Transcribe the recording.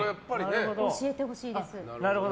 教えてほしいです。